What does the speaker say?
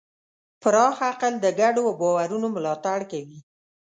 پراخ عقل د ګډو باورونو ملاتړ کوي.